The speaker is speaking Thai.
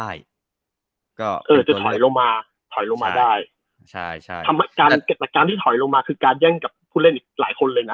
พี่โดประโยชน์ขึ้นไปข้างบนมีโอกาสมากกว่า